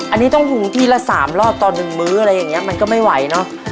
อันนี้ต้องหุงทีละ๓รอบต่อ๑มื้ออะไรอย่างนี้มันก็ไม่ไหวเนอะ